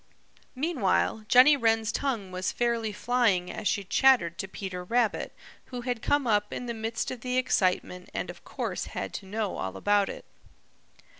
Meanwhile Jenny Wren's tongue was fairly flying as she chattered to Peter Rabbit, who had come up in the midst of the excitement and of course had to know all about it.